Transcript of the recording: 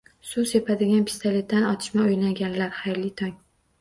Suv sepadigan pistoletdan "otishma" o'ynaganlar, xayrli tong!